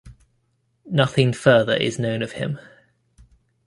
Nothing further is known of him.